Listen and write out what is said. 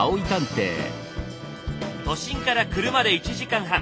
都心から車で１時間半。